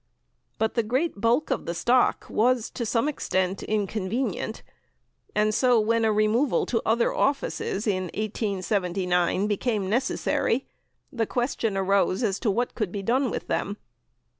But the great bulk of the stock was, to some extent, inconvenient, and so when a removal to other offices, in 1879, became necessary, the question arose as to what could be done with them.